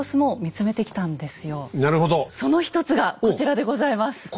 その一つがこちらでございます。